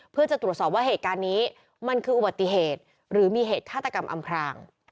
เพื่อจะตรวจสอบว่าเหตุการณ์นี้มันคืออุบัติเหตุหรือมีเหตุฆาตกรรมอำพราง